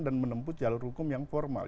dan menempuh jalur hukum yang formal